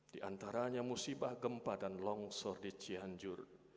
di antaranya musibah gempa dan longsor di cianjur